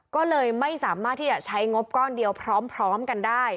ก็เลยไม่สามารถที่จะใช้งบก้อนเดียวพร้อมกันได้